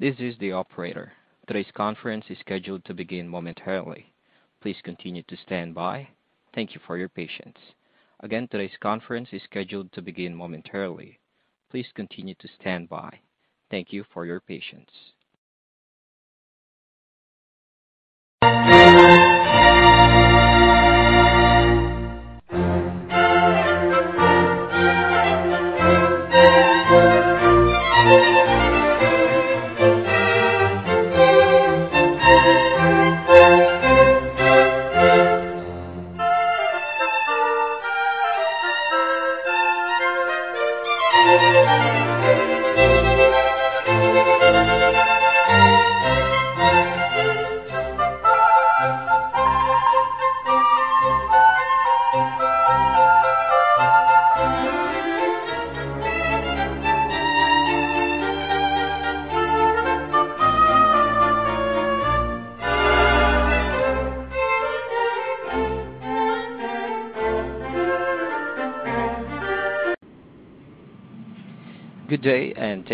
Good day, and thank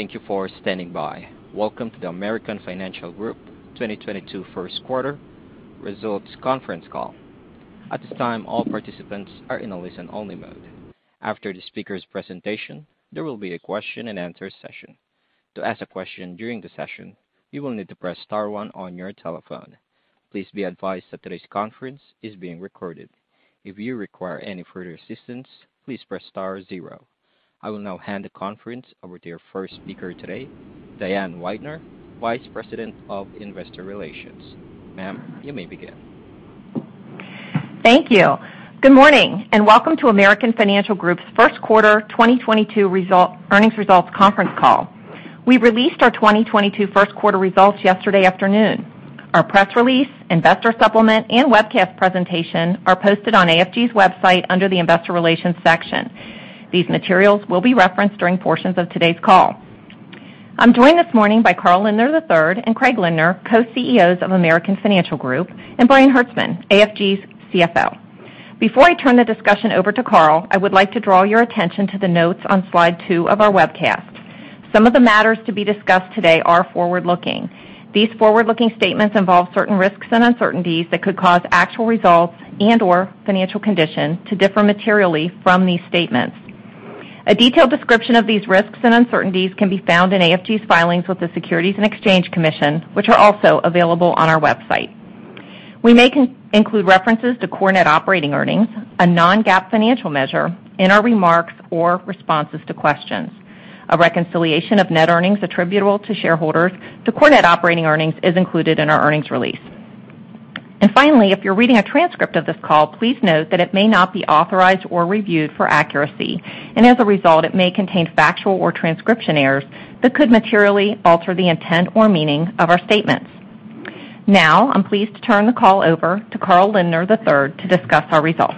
you for standing by. Welcome to the American Financial Group 2022 first quarter results conference call. At this time all participants are in a listen-only mode. After the speaker's presentation, there will be a question-and-answer session. To ask a question during the session, you will need to press star one on your telephone. Please be advised that today's conference is being recorded. If you require any further assistance, please press star zero. I will now hand the conference over to your first speaker today, Diane Weidner, Vice President of Investor Relations. Ma'am, you may begin. Thank you. Good morning, and welcome to American Financial Group's first quarter 2022 earnings results conference call. We released our 2022 first quarter results yesterday afternoon. Our press release, investor supplement, and webcast presentation are posted on AFG's website under the Investor Relations section. These materials will be referenced during portions of today's call. I'm joined this morning by Carl Lindner III and Craig Lindner, Co-CEOs of American Financial Group, and Brian Hertzman, AFG's CFO. Before I turn the discussion over to Carl, I would like to draw your attention to the notes on slide two of our webcast. Some of the matters to be discussed today are forward-looking. These forward-looking statements involve certain risks and uncertainties that could cause actual results and/or financial condition to differ materially from these statements. A detailed description of these risks and uncertainties can be found in AFG's filings with the Securities and Exchange Commission, which are also available on our website. We may include references to core net operating earnings, a non-GAAP financial measure, in our remarks or responses to questions. A reconciliation of net earnings attributable to shareholders to core net operating earnings is included in our earnings release. Finally, if you're reading a transcript of this call, please note that it may not be authorized or reviewed for accuracy, and as a result, it may contain factual or transcription errors that could materially alter the intent or meaning of our statements. Now, I'm pleased to turn the call over to Carl Lindner III to discuss our results.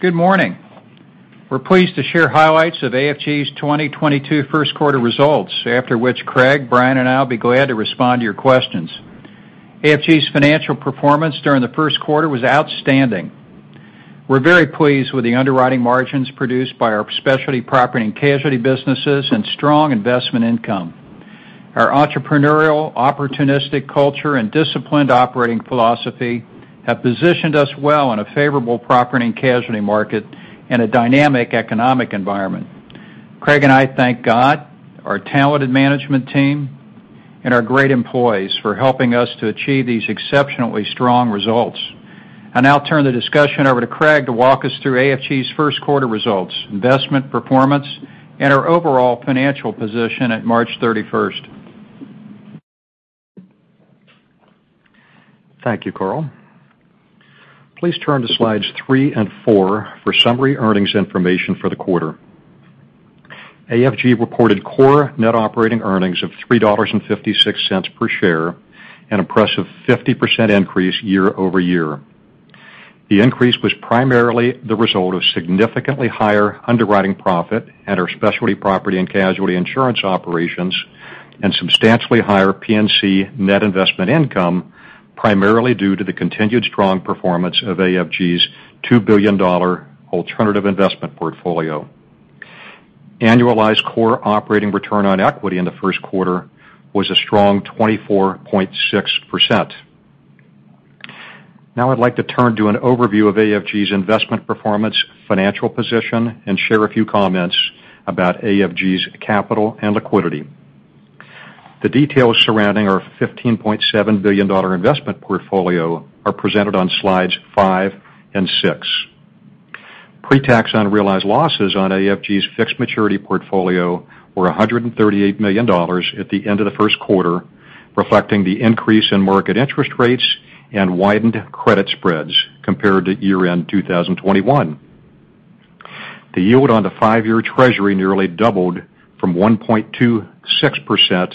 Good morning. We're pleased to share highlights of AFG's 2022 first quarter results, after which Craig, Brian, and I'll be glad to respond to your questions. AFG's financial performance during the first quarter was outstanding. We're very pleased with the underwriting margins produced by our Specialty Property and Casualty businesses and strong investment income. Our entrepreneurial, opportunistic culture and disciplined operating philosophy have positioned us well in a favorable property and casualty market and a dynamic economic environment. Craig and I thank God, our talented management team, and our great employees for helping us to achieve these exceptionally strong results. I now turn the discussion over to Craig to walk us through AFG's first quarter results, investment performance, and our overall financial position at March 31st. Thank you, Carl. Please turn to slides three and four for summary earnings information for the quarter. AFG reported core net operating earnings of $3.56 per share, an impressive 50% increase year-over-year. The increase was primarily the result of significantly higher underwriting profit at our Specialty Property and Casualty insurance operations and substantially higher P&C net investment income, primarily due to the continued strong performance of AFG's $2 billion alternative investment portfolio. Annualized core operating return on equity in the first quarter was a strong 24.6%. Now I'd like to turn to an overview of AFG's investment performance financial position and share a few comments about AFG's capital and liquidity. The details surrounding our $15.7 billion investment portfolio are presented on slides five and six. Pre-tax unrealized losses on AFG's fixed maturity portfolio were $138 million at the end of the first quarter, reflecting the increase in market interest rates and widened credit spreads compared to year-end 2021. The yield on the five-year Treasury nearly doubled from 1.26%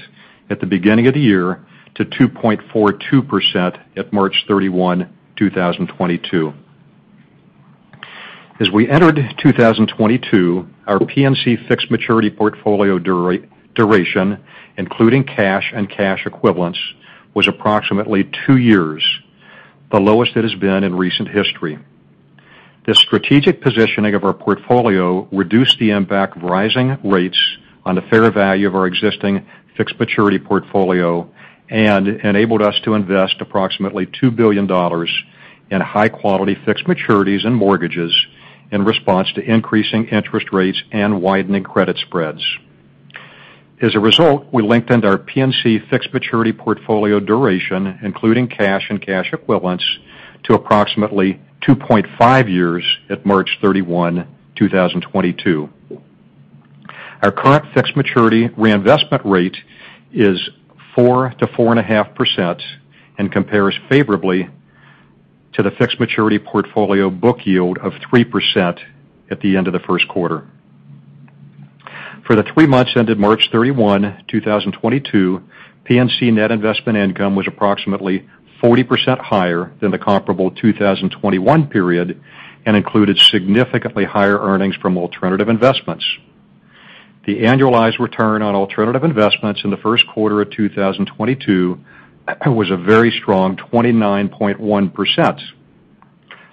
at the beginning of the year to 2.42% at March 31, 2022. As we entered 2022, our P&C fixed maturity portfolio duration, including cash and cash equivalents, was approximately two years, the lowest it has been in recent history. The strategic positioning of our portfolio reduced the impact of rising rates on the fair value of our existing fixed maturity portfolio and enabled us to invest approximately $2 billion in high quality fixed maturities and mortgages in response to increasing interest rates and widening credit spreads. As a result, we lengthened our P&C fixed maturity portfolio duration, including cash and cash equivalents, to approximately 2.5 years at March 31, 2022. Our current fixed maturity reinvestment rate is 4%-4.5% and compares favorably to the fixed maturity portfolio book yield of 3% at the end of the first quarter. For the three months ended March 31, 2022, P&C net investment income was approximately 40% higher than the comparable 2021 period and included significantly higher earnings from alternative investments. The annualized return on alternative investments in the first quarter of 2022 was a very strong 29.1%.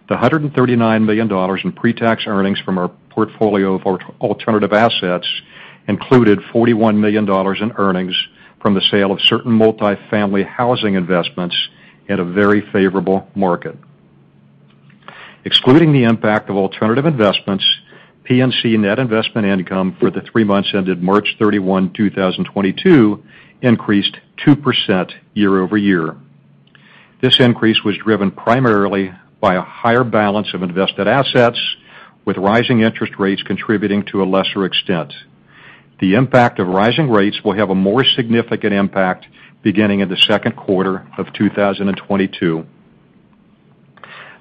The $139 million in pre-tax earnings from our portfolio of alternative assets included $41 million in earnings from the sale of certain multifamily housing investments at a very favorable market. Excluding the impact of alternative investments, P&C net investment income for the three months ended March 31, 2022 increased 2% year-over-year. This increase was driven primarily by a higher balance of invested assets, with rising interest rates contributing to a lesser extent. The impact of rising rates will have a more significant impact beginning in the second quarter of 2022.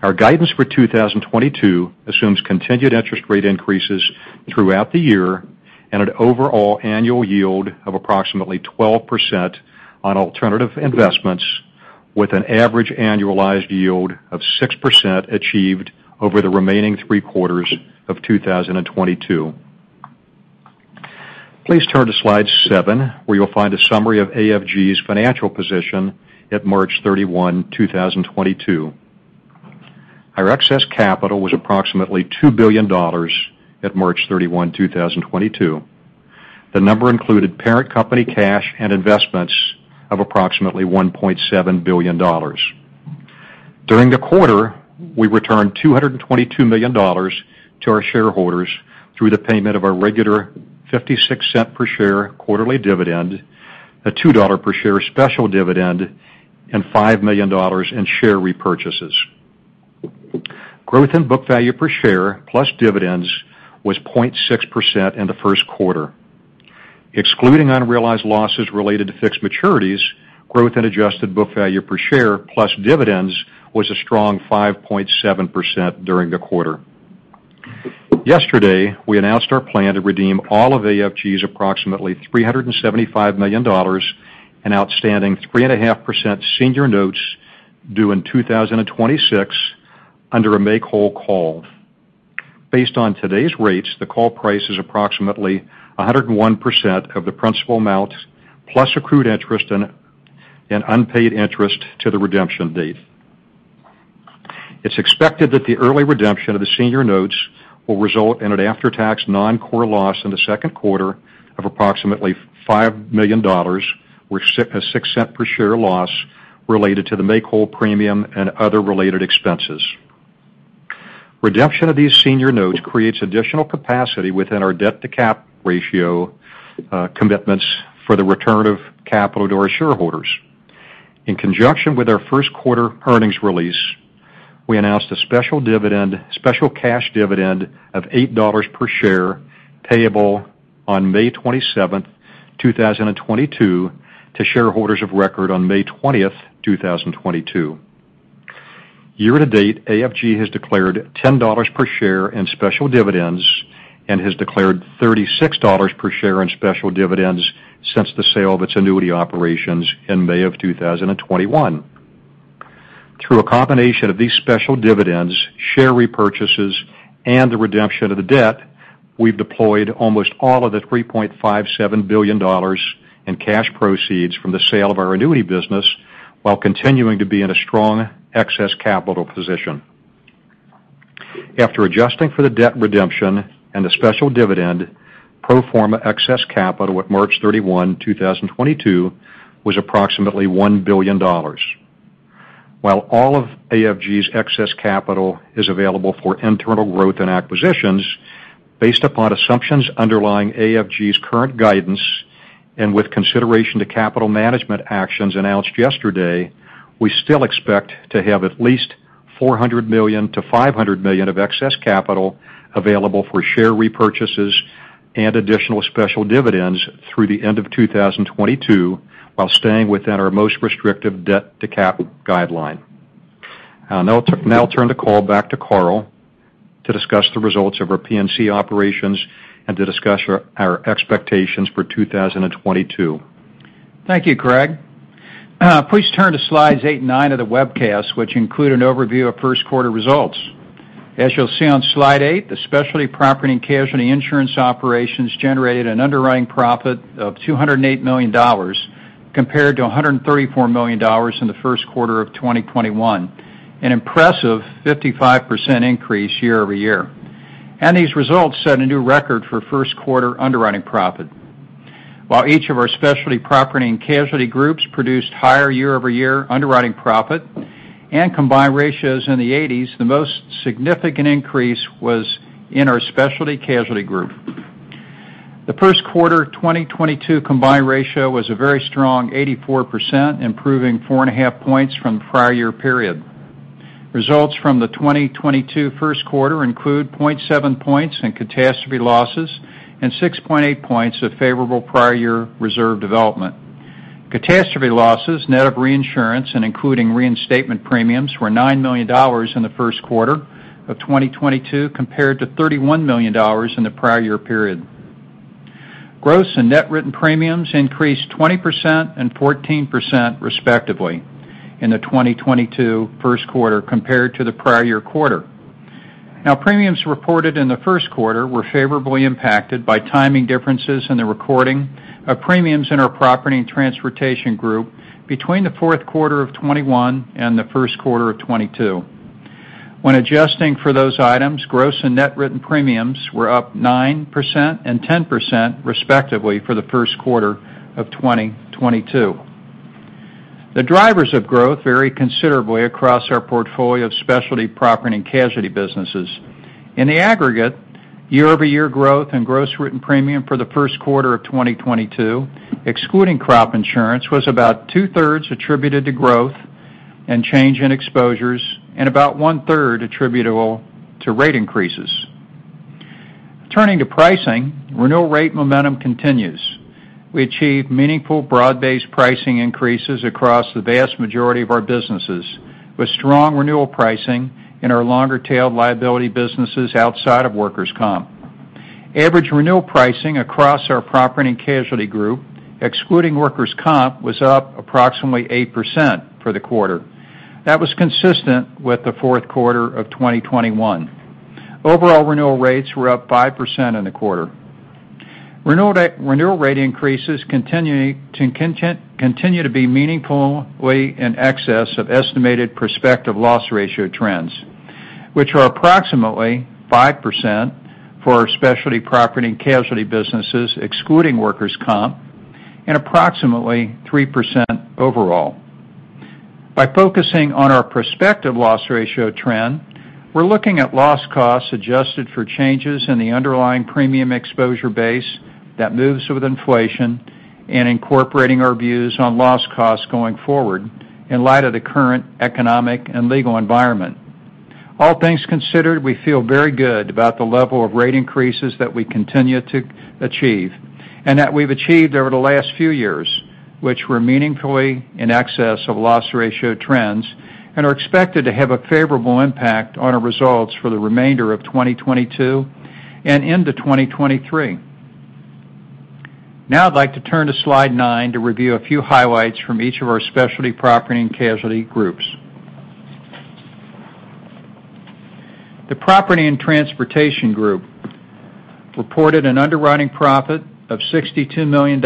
Our guidance for 2022 assumes continued interest rate increases throughout the year and an overall annual yield of approximately 12% on alternative investments, with an average annualized yield of 6% achieved over the remaining three quarters of 2022. Please turn to slide seven, where you'll find a summary of AFG's financial position at March 31, 2022. Our excess capital was approximately $2 billion at March 31, 2022. The number included parent company cash and investments of approximately $1.7 billion. During the quarter, we returned $222 million to our shareholders through the payment of our regular $0.56 per share quarterly dividend, a $2 per share special dividend, and $5 million in share repurchases. Growth in book value per share plus dividends was 0.6% in the first quarter. Excluding unrealized losses related to fixed maturities, growth in adjusted book value per share plus dividends was a strong 5.7% during the quarter. Yesterday, we announced our plan to redeem all of AFG's approximately $375 million in outstanding 3.5% senior notes due in 2026 under a make-whole call. Based on today's rates, the call price is approximately 101% of the principal amount, plus accrued interest and unpaid interest to the redemption date. It's expected that the early redemption of the senior notes will result in an after-tax non-core loss in the second quarter of approximately $5 million, which is a $0.06 per share loss related to the make-whole premium and other related expenses. Redemption of these senior notes creates additional capacity within our debt-to-cap ratio, commitments for the return of capital to our shareholders. In conjunction with our first quarter earnings release, we announced a special cash dividend of $8 per share payable on May 27th, 2022 to shareholders of record on May 20th, 2022. Year-to-date, AFG has declared $10 per share in special dividends and has declared $36 per share in special dividends since the sale of its Annuity operations in May 2021. Through a combination of these special dividends, share repurchases, and the redemption of the debt, we've deployed almost all of the $3.57 billion in cash proceeds from the sale of our Annuity business while continuing to be in a strong excess capital position. After adjusting for the debt redemption and the special dividend, pro forma excess capital at March 31, 2022 was approximately $1 billion. While all of AFG's excess capital is available for internal growth and acquisitions, based upon assumptions underlying AFG's current guidance and with consideration to capital management actions announced yesterday, we still expect to have at least $400 million-$500 million of excess capital available for share repurchases and additional special dividends through the end of 2022, while staying within our most restrictive debt-to-cap guideline. I'll now turn the call back to Carl to discuss the results of our P&C operations and to discuss our expectations for 2022. Thank you, Craig. Please turn to slides eight and nine of the webcast, which include an overview of first quarter results. As you'll see on slide eight, the Specialty Property and Casualty insurance operations generated an underwriting profit of $208 million. Compared to $134 million in the first quarter of 2021, an impressive 55% increase year-over-year. These results set a new record for first quarter underwriting profit. While each of our Specialty Property and Casualty Groups produced higher year-over-year underwriting profit and combined ratios in the 80% range, the most significant increase was in our Specialty Casualty Group. The first quarter 2022 combined ratio was a very strong 84%, improving 4.5 percentage points from the prior year period. Results from the 2022 first quarter include 0.7 percentage points in catastrophe losses and 6.8 percentage points of favorable prior year reserve development. Catastrophe losses, net of reinsurance and including reinstatement premiums, were $9 million in the first quarter of 2022, compared to $31 million in the prior year period. Gross and net written premiums increased 20% and 14% respectively in the 2022 first quarter compared to the prior year quarter. Now, premiums reported in the first quarter were favorably impacted by timing differences in the recording of premiums in our Property and Transportation Group between the fourth quarter of 2021 and the first quarter of 2022. When adjusting for those items, gross and net written premiums were up 9% and 10%, respectively, for the first quarter of 2022. The drivers of growth vary considerably across our portfolio of Specialty Property and Casualty businesses. In the aggregate, year-over-year growth in gross written premium for the first quarter of 2022, excluding crop insurance, was about 2/3 attributed to growth and change in exposures and about 1/3 attributable to rate increases. Turning to pricing, renewal rate momentum continues. We achieved meaningful broad-based pricing increases across the vast majority of our businesses, with strong renewal pricing in our longer-tailed liability businesses outside of workers' comp. Average renewal pricing across our property and casualty group, excluding workers' comp, was up approximately 8% for the quarter. That was consistent with the fourth quarter of 2021. Overall renewal rates were up 5% in the quarter. Renewal rate increases continue to be meaningfully in excess of estimated prospective loss ratio trends, which are approximately 5% for our Specialty Property and Casualty businesses, excluding workers' comp, and approximately 3% overall. By focusing on our prospective loss ratio trend, we're looking at loss costs adjusted for changes in the underlying premium exposure base that moves with inflation and incorporating our views on loss costs going forward in light of the current economic and legal environment. All things considered, we feel very good about the level of rate increases that we continue to achieve and that we've achieved over the last few years, which were meaningfully in excess of loss ratio trends and are expected to have a favorable impact on our results for the remainder of 2022 and into 2023. Now I'd like to turn to slide nine to review a few highlights from each of our Specialty Property and Casualty Groups. The Property and Transportation Group reported an underwriting profit of $62 million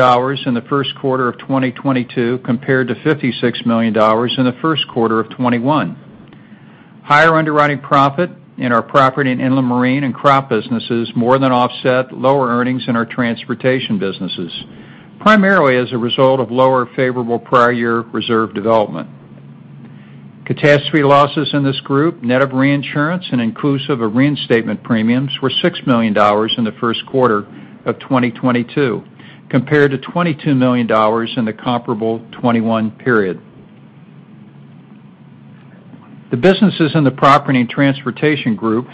in the first quarter of 2022, compared to $56 million in the first quarter of 2021. Higher underwriting profit in our property and inland marine and crop businesses more than offset lower earnings in our transportation businesses, primarily as a result of lower favorable prior year reserve development. Catastrophe losses in this group, net of reinsurance and inclusive of reinstatement premiums, were $6 million in the first quarter of 2022, compared to $22 million in the comparable 2021 period. The businesses in the Property and Transportation Group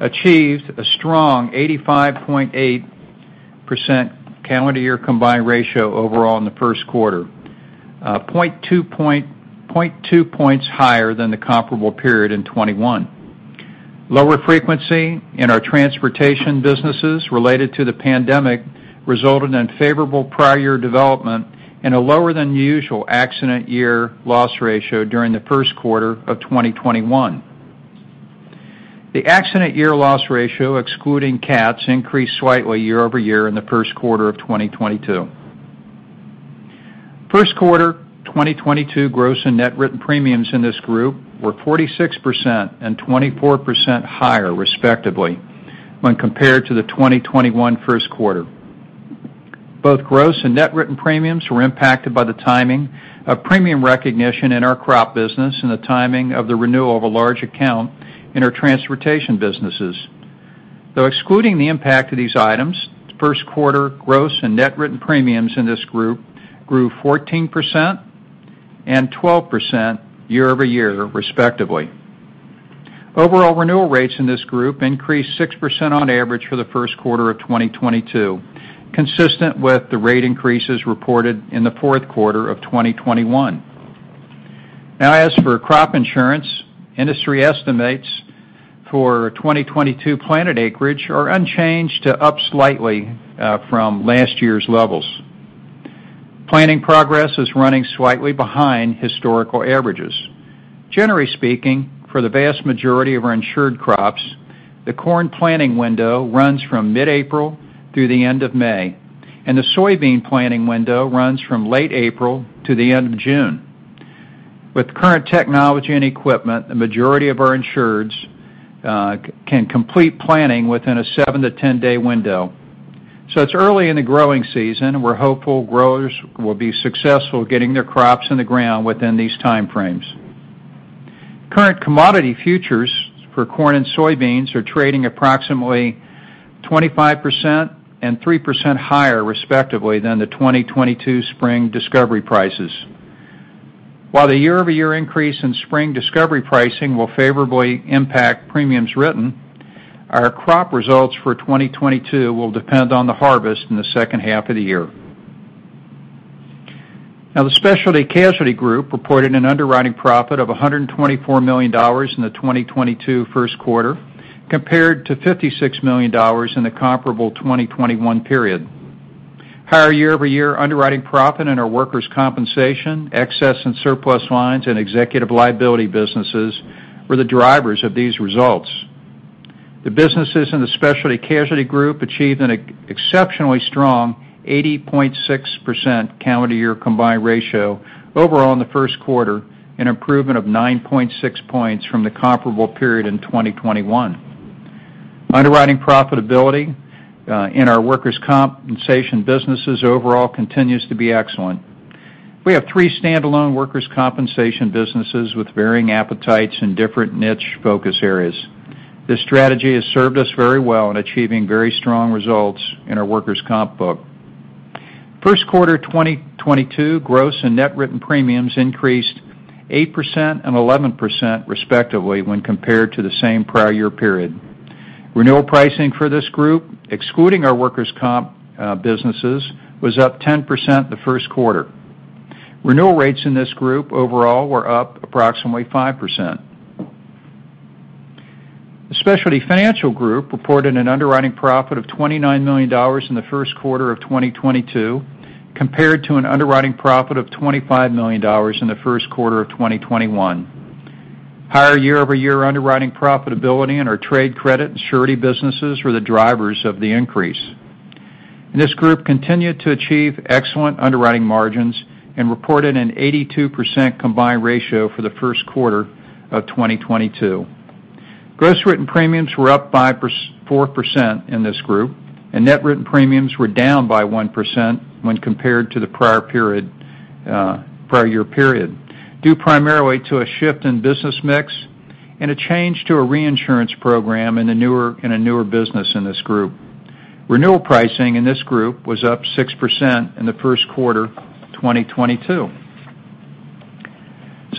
achieved a strong 85.8% calendar year combined ratio overall in the first quarter, 0.2 percentage points higher than the comparable period in 2021. Lower frequency in our transportation businesses related to the pandemic resulted in favorable prior year development and a lower than usual accident year loss ratio during the first quarter of 2021. The accident year loss ratio, excluding cats, increased slightly year-over-year in the first quarter of 2022. First quarter 2022 gross and net written premiums in this group were 46% and 24% higher, respectively, when compared to the 2021 first quarter. Both gross and net written premiums were impacted by the timing of premium recognition in our crop business and the timing of the renewal of a large account in our transportation businesses. Though excluding the impact of these items, first quarter gross and net written premiums in this group grew 14% and 12% year-over-year, respectively. Overall renewal rates in this group increased 6% on average for the first quarter of 2022, consistent with the rate increases reported in the fourth quarter of 2021. Now as for crop insurance, industry estimates for 2022 planted acreage are unchanged to up slightly from last year's levels. Planting progress is running slightly behind historical averages. Generally speaking, for the vast majority of our insured crops, the corn planting window runs from mid-April through the end of May, and the soybean planting window runs from late April to the end of June. With current technology and equipment, the majority of our insureds can complete planting within a seven to 10-day window. It's early in the growing season, and we're hopeful growers will be successful getting their crops in the ground within these time frames. Current commodity futures for corn and soybeans are trading approximately 25% and 3% higher, respectively, than the 2022 spring discovery prices. While the year-over-year increase in spring discovery pricing will favorably impact premiums written, our crop results for 2022 will depend on the harvest in the second half of the year. Now, the Specialty Casualty Group reported an underwriting profit of $124 million in the 2022 first quarter compared to $56 million in the comparable 2021 period. Higher year-over-year underwriting profit in our workers' compensation, excess and surplus lines, and executive liability businesses were the drivers of these results. The businesses in the Specialty Casualty Group achieved an exceptionally strong 80.6% calendar year combined ratio overall in the first quarter, an improvement of 9.6 percentage points from the comparable period in 2021. Underwriting profitability in our workers' compensation businesses overall continues to be excellent. We have three standalone workers' compensation businesses with varying appetites and different niche focus areas. This strategy has served us very well in achieving very strong results in our workers' comp book. First quarter of 2022 gross and net written premiums increased 8% and 11% respectively when compared to the same prior year period. Renewal pricing for this group, excluding our workers' comp businesses, was up 10% the first quarter. Renewal rates in this group overall were up approximately 5%. The Specialty Financial Group reported an underwriting profit of $29 million in the first quarter of 2022 compared to an underwriting profit of $25 million in the first quarter of 2021. Higher year-over-year underwriting profitability in our trade credit and surety businesses were the drivers of the increase. This group continued to achieve excellent underwriting margins and reported an 82% combined ratio for the first quarter of 2022. Gross written premiums were up 4% in this group, and net written premiums were down by 1% when compared to the prior period, prior year period, due primarily to a shift in business mix and a change to a reinsurance program in a newer business in this group. Renewal pricing in this group was up 6% in the first quarter of 2022.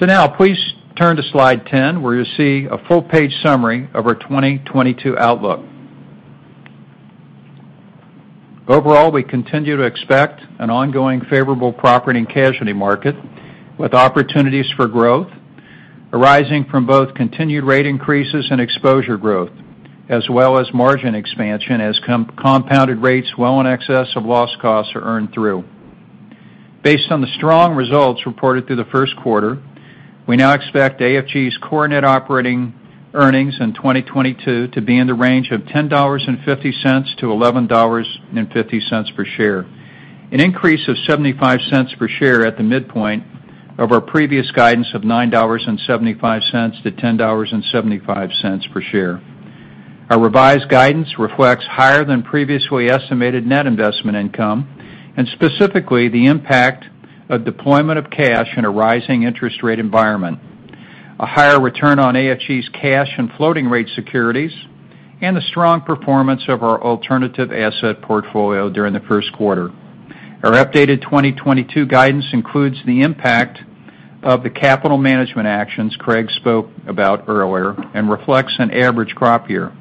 Now please turn to slide 10 where you'll see a full-page summary of our 2022 outlook. Overall, we continue to expect an ongoing favorable property and casualty market with opportunities for growth arising from both continued rate increases and exposure growth, as well as margin expansion as compounded rates well in excess of loss costs are earned through. Based on the strong results reported through the first quarter, we now expect AFG's core net operating earnings in 2022 to be in the range of $10.50-$11.50 per share, an increase of $0.75 per share at the midpoint of our previous guidance of $9.75-$10.75 per share. Our revised guidance reflects higher than previously estimated net investment income and specifically the impact of deployment of cash in a rising interest rate environment, a higher return on AFG's cash and floating rate securities, and the strong performance of our alternative asset portfolio during the first quarter. Our updated 2022 guidance includes the impact of the capital management actions Craig spoke about earlier and reflects an average crop year.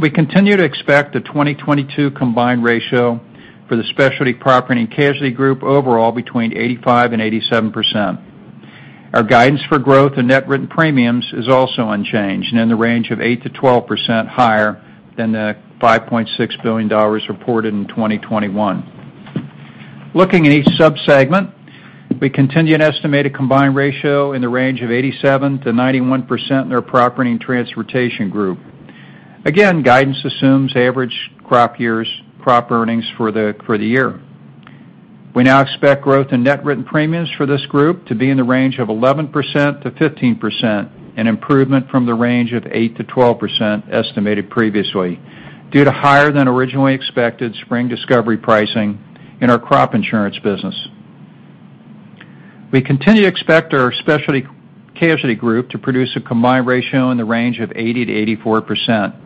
We continue to expect a 2022 combined ratio for the Specialty Property and Casualty Group overall between 85% and 87%. Our guidance for growth and net written premiums is also unchanged and in the range of 8%-12% higher than the $5.6 billion reported in 2021. Looking at each subsegment, we continue to estimate a combined ratio in the range of 87%-91% in our Property and Transportation Group. Again, guidance assumes average crop years, crop earnings for the year. We now expect growth in net written premiums for this group to be in the range of 11%-15%, an improvement from the range of 8%-12% estimated previously due to higher than originally expected spring discovery pricing in our crop insurance business. We continue to expect our Specialty Casualty Group to produce a combined ratio in the range of 80%-84%.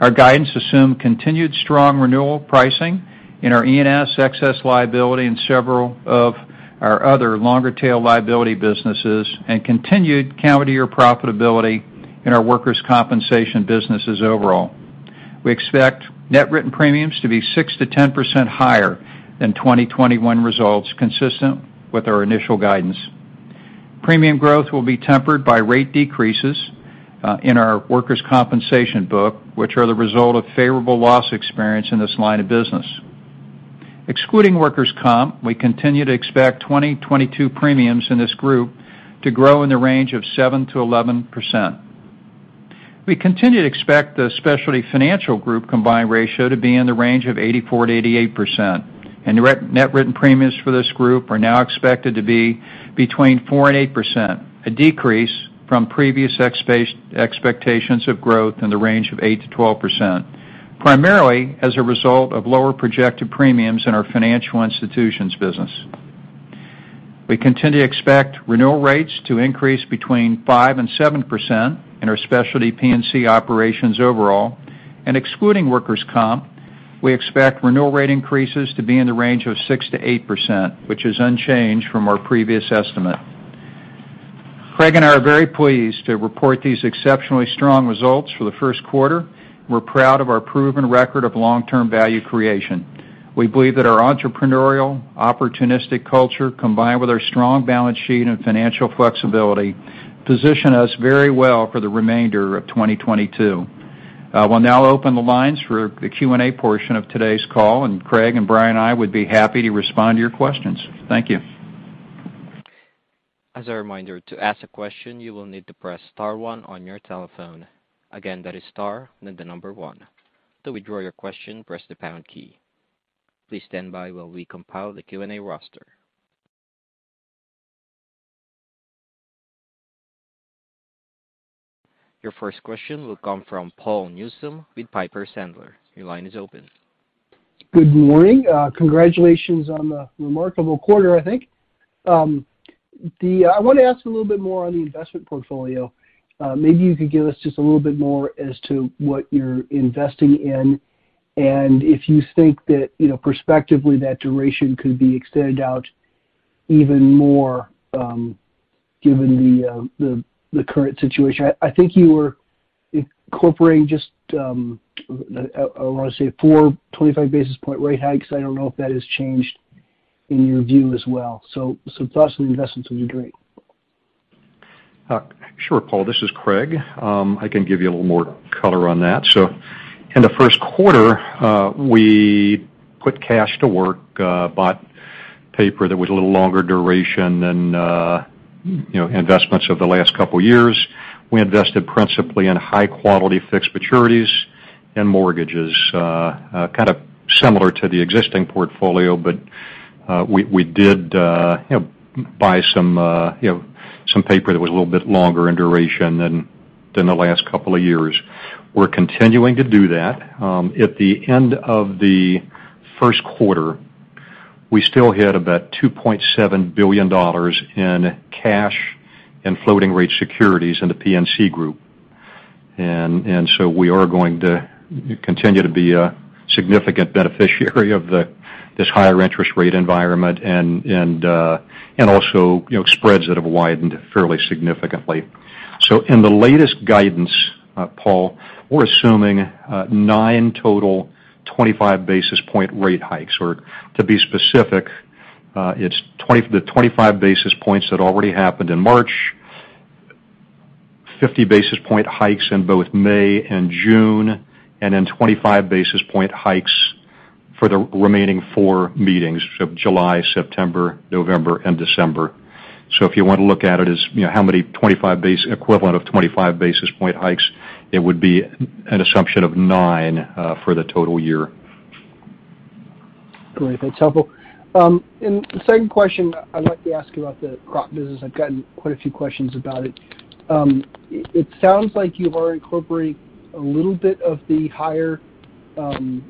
Our guidance assume continued strong renewal pricing in our E&S excess liability and several of our other longer-tail liability businesses and continued calendar year profitability in our workers' compensation businesses overall. We expect net written premiums to be 6%-10% higher than 2021 results, consistent with our initial guidance. Premium growth will be tempered by rate decreases in our workers' compensation book, which are the result of favorable loss experience in this line of business. Excluding workers' comp, we continue to expect 2022 premiums in this group to grow in the range of 7%-11%. We continue to expect the Specialty Financial Group combined ratio to be in the range of 84%-88%, and direct net written premiums for this group are now expected to be between 4% and 8%, a decrease from previous expectations of growth in the range of 8%-12%, primarily as a result of lower projected premiums in our financial institutions business. We continue to expect renewal rates to increase between 5% and 7% in our specialty P&C operations overall. Excluding workers' comp, we expect renewal rate increases to be in the range of 6%-8%, which is unchanged from our previous estimate. Craig and I are very pleased to report these exceptionally strong results for the first quarter. We're proud of our proven record of long-term value creation. We believe that our entrepreneurial, opportunistic culture, combined with our strong balance sheet and financial flexibility, position us very well for the remainder of 2022. I will now open the lines for the Q&A portion of today's call, and Craig and Brian and I would be happy to respond to your questions. Thank you. As a reminder, to ask a question, you will need to press star one on your telephone. Again, that is star, then the number one. To withdraw your question, press the pound key. Please stand by while we compile the Q&A roster. Your first question will come from Paul Newsome with Piper Sandler. Your line is open. Good morning. Congratulations on the remarkable quarter, I think. I want to ask a little bit more on the investment portfolio. Maybe you could give us just a little bit more as to what you're investing in and if you think that, you know, prospectively, that duration could be extended out even more, given the current situation. I think you were incorporating just four 25 basis point rate hikes. I don't know if that has changed in your view as well. Some thoughts on investments would be great. Sure, Paul, this is Craig. I can give you a little more color on that. In the first quarter, we put cash to work, bought paper that was a little longer duration than, you know, investments of the last couple of years. We invested principally in high-quality fixed maturities and mortgages, kind of similar to the existing portfolio, but we did, you know, buy some, you know, some paper that was a little bit longer in duration than the last couple of years. We're continuing to do that. At the end of the first quarter, we still had about $2.7 billion in cash and floating rate securities in the P&C Group. We are going to continue to be a significant beneficiary of this higher interest rate environment and also, you know, spreads that have widened fairly significantly. In the latest guidance, Paul, we're assuming nine total 25 basis point rate hikes. Or to be specific, it's the 25 basis points that already happened in March, 50 basis point hikes in both May and June, and then 25 basis point hikes for the remaining four meetings, so July, September, November and December. If you want to look at it as, you know, how many equivalent of 25 basis point hikes, it would be an assumption of nine for the total year. Great. That's helpful. The second question I'd like to ask you about the crop business. I've gotten quite a few questions about it. It sounds like you are incorporating a little bit of the higher, you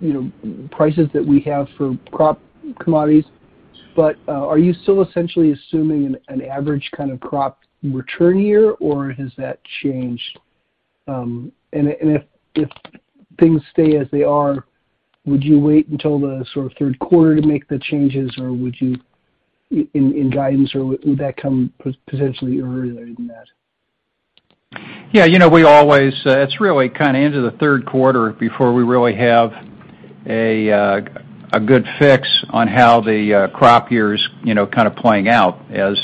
know, prices that we have for crop commodities, but are you still essentially assuming an average kind of crop return year, or has that changed? If things stay as they are, would you wait until the sort of third quarter to make the changes, or would you in guidance, or would that come potentially earlier than that? Yeah. You know, we always, it's really kind of into the third quarter before we really have a good fix on how the crop year is, you know, kind of playing out as,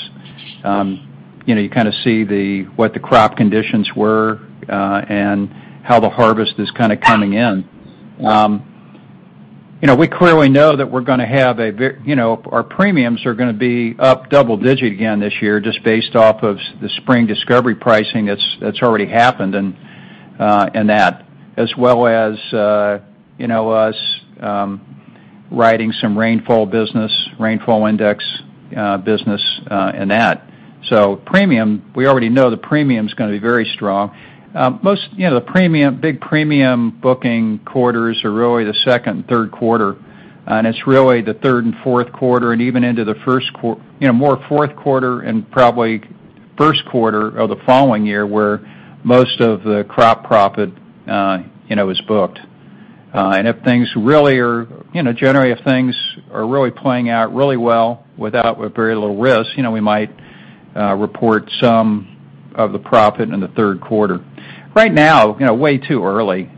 you know, you kind of see the what the crop conditions were, and how the harvest is kind of coming in. You know, we clearly know that you know, our premiums are gonna be up double digit again this year just based off of the spring discovery pricing that's already happened and that. As well as, you know, us writing some rainfall business, rainfall index business, and that. So premium, we already know the premium's gonna be very strong. Most, you know, the premium, big premium booking quarters are really the second and third quarter. It's really the third and fourth quarter and even into the first, you know, more fourth quarter and probably first quarter of the following year, where most of the crop profit, you know, is booked. If things really are, you know, generally, if things are really playing out really well without, with very little risk, you know, we might, report some of the profit in the third quarter. Right now, you know, way too early.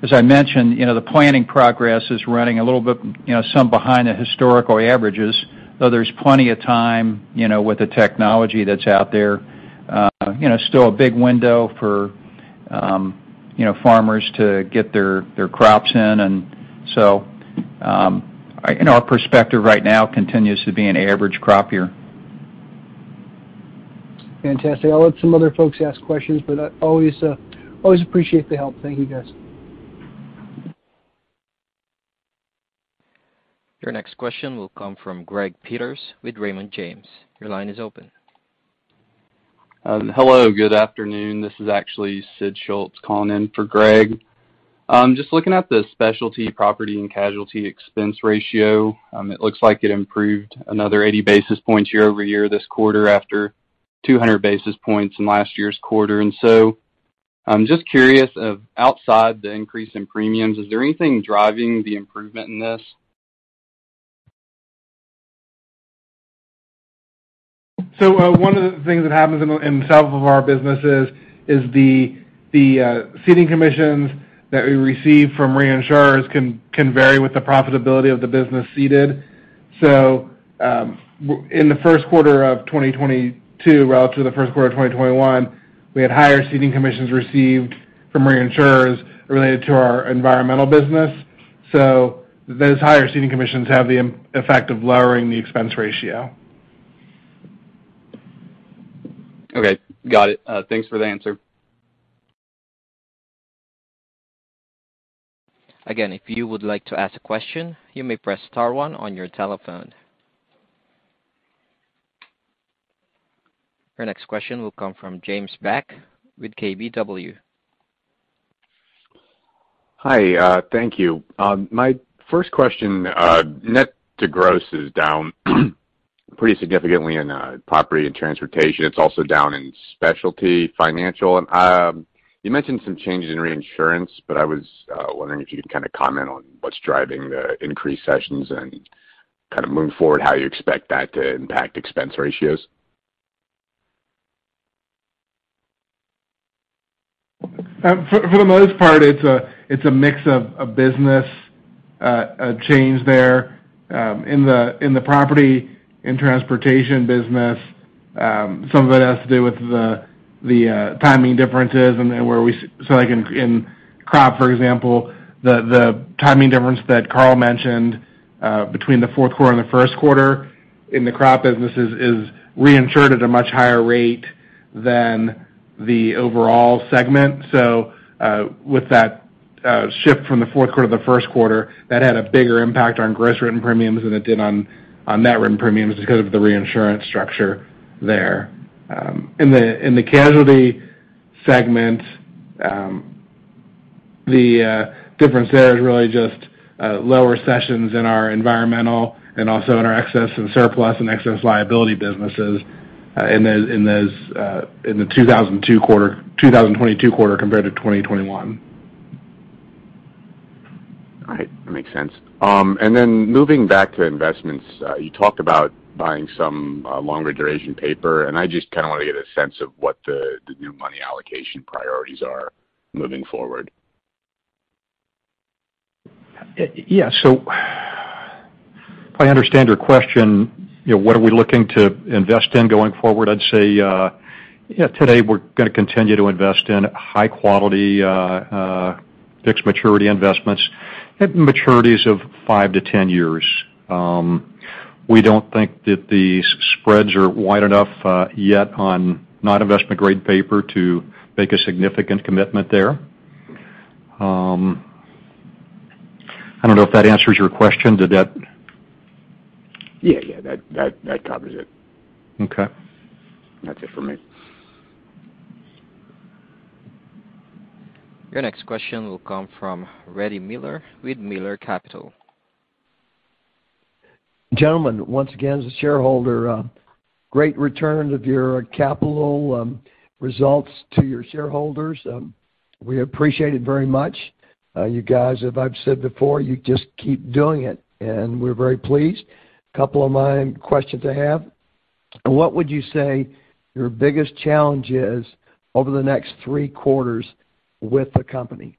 As I mentioned, you know, the planning progress is running a little bit, you know, some behind the historical averages, though there's plenty of time, you know, with the technology that's out there. You know, still a big window for, you know, farmers to get their crops in. You know, our perspective right now continues to be an average crop year. Fantastic. I'll let some other folks ask questions, but I always always appreciate the help. Thank you, guys. Your next question will come from Greg Peters with Raymond James. Your line is open. Hello, good afternoon. This is actually Sid Schultz calling in for Greg. Just looking at the Specialty Property and Casualty expense ratio, it looks like it improved another 80 basis points year-over-year this quarter after 200 basis points in last year's quarter. I'm just curious, or outside the increase in premiums, is there anything driving the improvement in this? One of the things that happens in some of our businesses is the ceding commissions that we receive from reinsurers can vary with the profitability of the business ceded. In the first quarter of 2022 relative to the first quarter of 2021, we had higher ceding commissions received from reinsurers related to our environmental business. Those higher ceding commissions have the effect of lowering the expense ratio. Okay. Got it. Thanks for the answer. Again, if you would like to ask a question, you may press star one on your telephone. Your next question will come from James Bach with KBW. Hi, thank you. My first question, net to gross is down pretty significantly in Property and Transportation. It's also down in Specialty Financial. You mentioned some changes in reinsurance, but I was wondering if you could kind of comment on what's driving the increased cessions and kind of moving forward, how you expect that to impact expense ratios? For the most part, it's a mix of a business change there in the Property and Transportation business. Some of it has to do with the timing differences and then so like in crop, for example, the timing difference that Carl mentioned between the fourth quarter and the first quarter in the crop business is reinsured at a much higher rate than the overall segment. With that shift from the fourth quarter to the first quarter, that had a bigger impact on gross written premiums than it did on net written premiums because of the reinsurance structure there. In the Casualty segment, the difference there is really just lower cessions in our environmental and also in our excess and surplus and excess liability businesses, in those in the 2022 quarter compared to 2021. All right. That makes sense. Moving back to investments, you talked about buying some longer duration paper, and I just kind of wanna get a sense of what the new money allocation priorities are moving forward. Yeah. If I understand your question, you know, what are we looking to invest in going forward? I'd say, yeah, today, we're gonna continue to invest in high quality, fixed maturity investments at maturities of five to 10 years. We don't think that the spreads are wide enough, yet on non-investment-grade paper to make a significant commitment there. I don't know if that answers your question. Did that? Yeah. That covers it. Okay. That's it for me. Your next question will come from Rudy Miller with Miller Capital. Gentlemen, once again, as a shareholder, great return of your capital, results to your shareholders. We appreciate it very much. You guys, as I've said before, you just keep doing it, and we're very pleased. Couple of my questions I have, what would you say your biggest challenge is over the next three quarters with the company?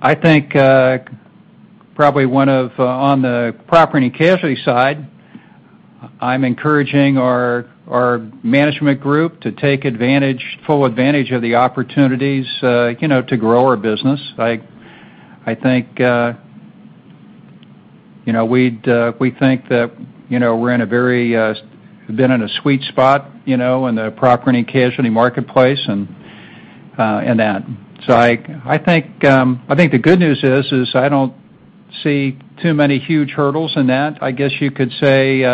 I think probably on the Property and Casualty side, I'm encouraging our management group to take advantage full advantage of the opportunities you know to grow our business. I think you know we think that you know we've been in a sweet spot you know in the property and casualty marketplace and that. I think the good news is I don't see too many huge hurdles in that. I guess you could say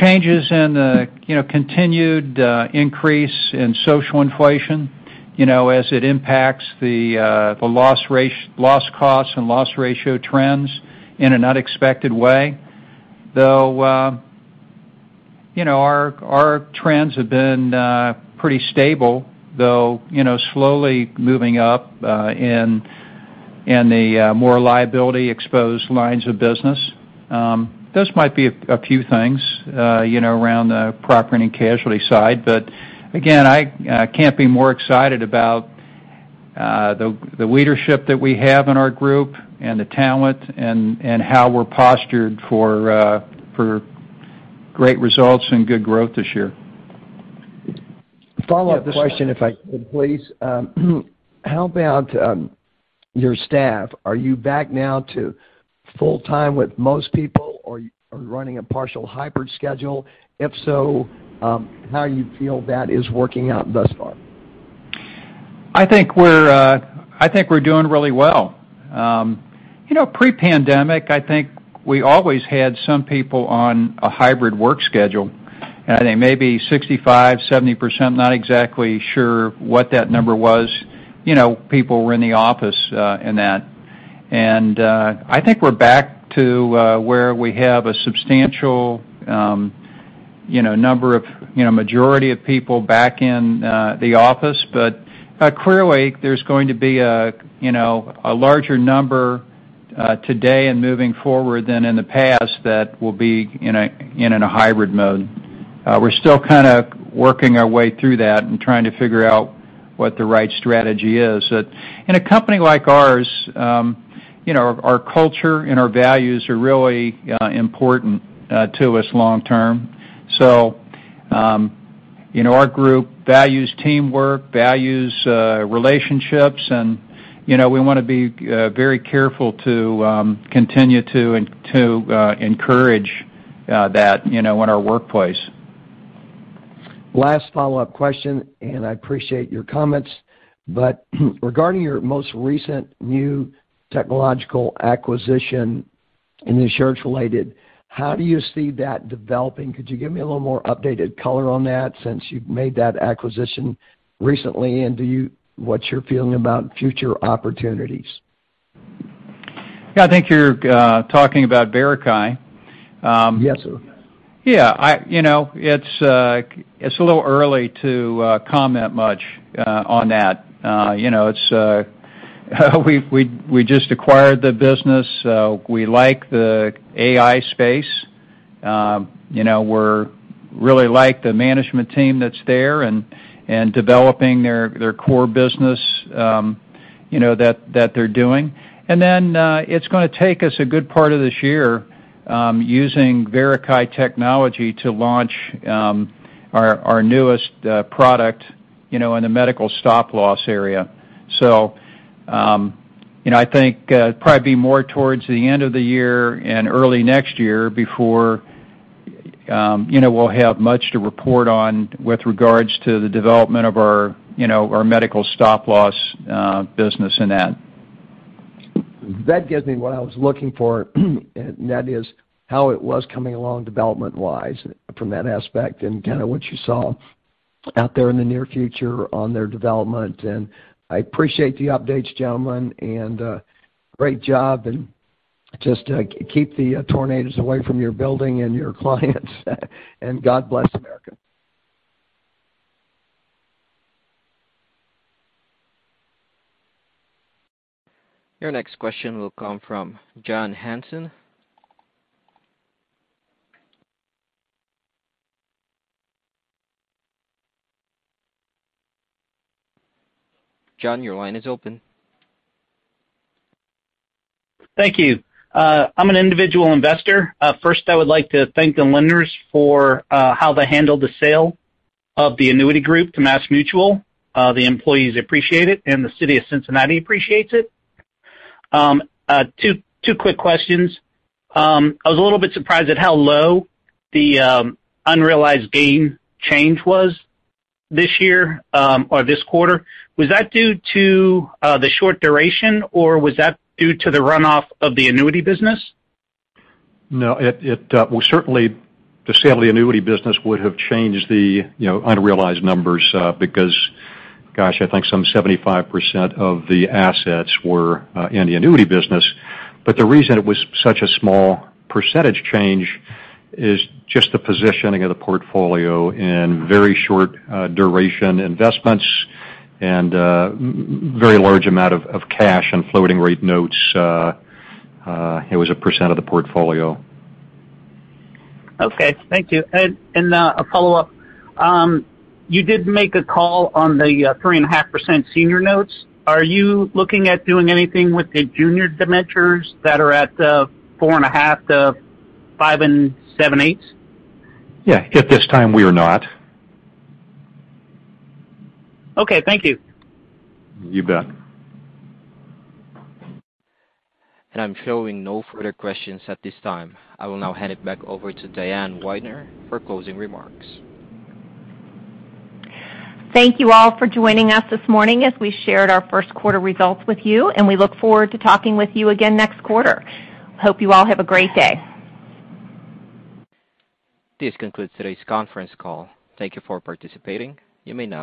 changes in you know continued increase in social inflation you know as it impacts the loss costs and loss ratio trends in an unexpected way. Though you know our trends have been pretty stable though you know slowly moving up in the more liability exposed lines of business. Those might be a few things you know around the Property and Casualty side. Again I can't be more excited about the leadership that we have in our group and the talent and how we're postured for great results and good growth this year. Follow-up question, if I could, please. How about your staff? Are you back now to full-time with most people, or you are running a partial hybrid schedule? If so, how do you feel that is working out thus far? I think we're doing really well. You know, pre-pandemic, I think we always had some people on a hybrid work schedule. I think maybe 65%-70%, not exactly sure what that number was, you know, people were in the office, in that. I think we're back to where we have a substantial, you know, number of, you know, majority of people back in the office. But clearly, there's going to be a, you know, a larger number, today and moving forward than in the past that will be in a hybrid mode. We're still kinda working our way through that and trying to figure out what the right strategy is. But in a company like ours, you know, our culture and our values are really important to us long term. You know, our group values teamwork, relationships, and, you know, we wanna be very careful to continue to encourage that, you know, in our workplace. Last follow-up question, and I appreciate your comments. Regarding your most recent new technological acquisition in insurance-related, how do you see that developing? Could you give me a little more updated color on that since you've made that acquisition recently? What's your feeling about future opportunities? Yeah, I think you're talking about Verikai? Yes, sir. Yeah. You know, it's a little early to comment much on that. You know, we just acquired the business. We like the AI space. You know, we really like the management team that's there and developing their core business, you know, that they're doing. Then, it's gonna take us a good part of this year, using Verikai technology to launch our newest product, you know, in the medical stop-loss area. You know, I think probably be more towards the end of the year and early next year before, you know, we'll have much to report on with regards to the development of our, you know, our medical stop-loss business in that. That gives me what I was looking for, and that is how it was coming along development-wise from that aspect and kinda what you saw out there in the near future on their development. I appreciate the updates, gentlemen, and great job, and just keep the tornadoes away from your building and your clients. God bless America. Your next question will come from John Hanson. John, your line is open. Thank you. I'm an individual investor. First, I would like to thank the Lindners for how they handled the sale of the Annuity Group to MassMutual. The employees appreciate it, and the city of Cincinnati appreciates it. Two quick questions. I was a little bit surprised at how low the unrealized gain change was this year, or this quarter. Was that due to the short duration, or was that due to the runoff of the Annuity business? No, it well, certainly, the sale of the Annuity business would have changed the, you know, unrealized numbers, because, gosh, I think some 75% of the assets were in the Annuity business. The reason it was such a small percentage change is just the positioning of the portfolio in very short duration investments and a very large amount of cash and floating-rate notes, it was 1% of the portfolio. Okay, thank you. A follow-up. You did make a call on the 3.5% senior notes. Are you looking at doing anything with the junior debentures that are at 4.5%-5 7/8%? Yeah. At this time, we are not. Okay, thank you. You bet. I'm showing no further questions at this time. I will now hand it back over to Diane Weidner for closing remarks. Thank you all for joining us this morning as we shared our first quarter results with you, and we look forward to talking with you again next quarter. Hope you all have a great day. This concludes today's conference call. Thank you for participating. You may now disconnect.